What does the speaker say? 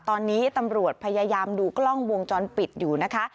ตอนนี้ตำรวจพยายามดูกล้องวงจรปิดอยู่นะคะ